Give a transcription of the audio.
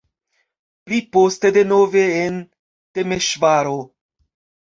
Pli poste denove en Temeŝvaro.